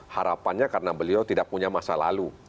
harapannya karena beliau tidak punya masa lalu